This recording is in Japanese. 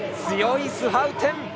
強いスハウテン！